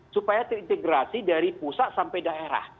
supaya terintegrasi dari pusat sampai daerah